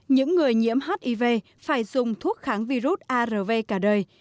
những người nhiễm hiv phải dùng thuốc kháng virus arv cả đời